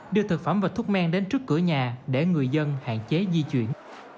đưa thực phẩm và thuốc men đến trước cửa nhà để người dân hạn chế di chuyển